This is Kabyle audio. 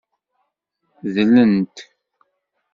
Dlent.